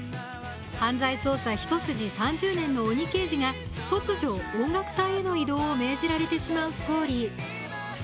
犯罪捜査一筋３０年の鬼刑事が突如、音楽隊への異動を命じられてしまうストーリー。